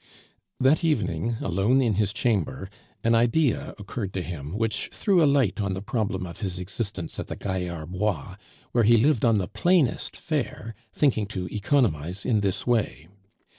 That evening, alone in his chamber, an idea occurred to him which threw a light on the problem of his existence at the Gaillard Bois, where he lived on the plainest fare, thinking to economize in this way.